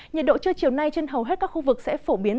nhiệt độ trưa chiều nay trên hầu hết các khu vực sẽ phổ biến